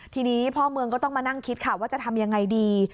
ทีนี้พ่อเมืองก็ต้องมานั่งคิดค่ะว่าจะทำยังไงดี